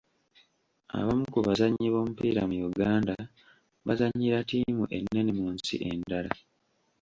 Abamu ku bazannyi b'omupiira mu Uganda bazannyira ttiimu ennene mu nsi endala.